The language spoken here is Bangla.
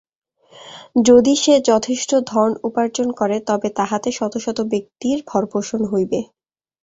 যদি সে যথেষ্ট ধন উপার্জন করে, তবে তাহাতে শত শত ব্যক্তির ভরণপোষণ হইবে।